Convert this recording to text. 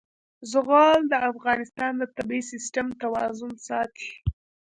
زغال د افغانستان د طبعي سیسټم توازن ساتي.